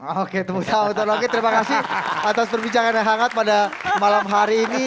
oke terima kasih bung roky atas perbincangan yang hangat pada malam hari ini